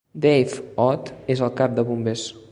Dave Ott és el cap de bombers.